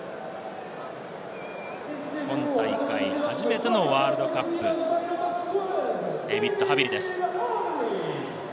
今大会初めてのワールドカップ、デイヴィッド・ハヴィリです。